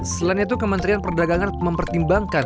selain itu kementerian perdagangan mempertimbangkan